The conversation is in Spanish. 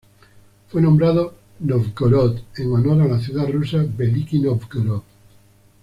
Fue nombrado Novgorod en honor a la ciudad rusa Veliki Nóvgorod.